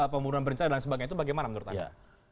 pembunuhan berencana dan sebagainya itu bagaimana menurut anda